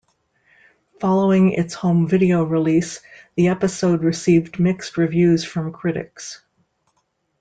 Following its home video release, the episode received mixed reviews from critics.